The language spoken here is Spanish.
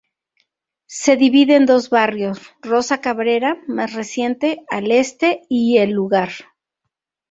Se divide en dos barrios: Rosa Cabrera, más reciente, al este y El Lugar.